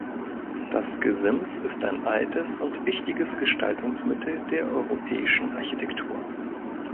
Das Gesims ist ein altes und wichtiges Gestaltungsmittel der europäischen Architektur.